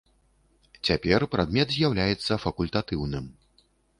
Цяпер прадмет з'яўляецца факультатыўным.